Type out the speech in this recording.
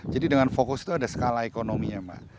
jadi dengan fokus itu ada skala ekonominya mbak